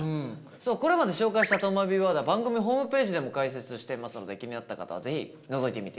そうこれまで紹介したとまビワードは番組ホームページでも解説していますので気になった方は是非のぞいてみてください。